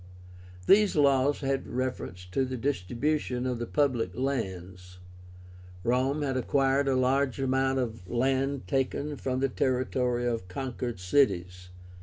These laws had reference to the distribution of the PUBLIC LANDS. Rome had acquired a large amount of land taken from the territory of conquered cities.